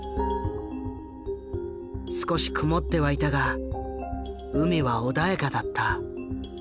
少し曇ってはいたが海は穏やかだった。